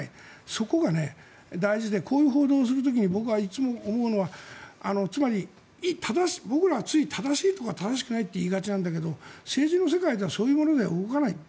そこが大事でこういう報道をする時に僕がいつも思うのは僕らはつい正しいとか正しくないって言いがちなんだけど政治の世界はそういうものでは動かない。